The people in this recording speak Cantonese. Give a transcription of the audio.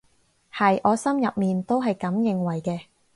係，我心入面都係噉認為嘅